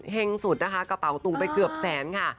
เห็งสุดกระเป๋าตูงไปเกือบแสนค่ะ